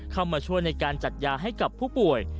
เข้ามาช่วยในการจัดยาให้กับผู้ป่วย